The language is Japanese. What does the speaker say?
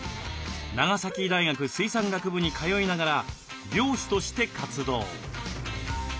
長崎大学水産学部に通いながら漁師として活動。